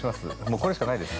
これしかないです。